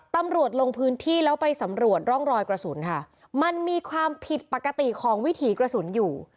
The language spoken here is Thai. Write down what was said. ตำรวจลงพื้นที่แล้วไปสำรวจร่องรอยกระสุนค่ะมันมีความผิดปกติของวิถีกระสุนอยู่